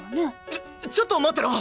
ちょちょっと待ってろ！